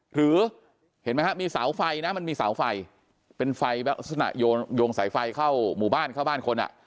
หรือเห็นไหมครับมีเสาไฟนะมันมีเสาไฟเป็นไฟวงสายไฟเข้าหมู่บ้านเข้าบ้านคน